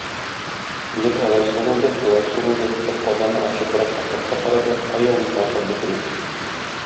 Егет алай сугылды, болай сугылды, бер казанны ачып бераз ашап та карады - кая ул итне ашап бетерү.